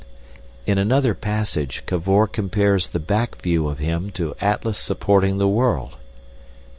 In another passage Cavor compares the back view of him to Atlas supporting the world.